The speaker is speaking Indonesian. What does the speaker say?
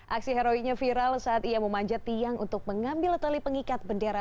aksi heroiknya viral saat ia memanjat tiang untuk mengambil tali pengikat bendera